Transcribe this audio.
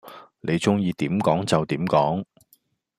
你鍾意點講就點講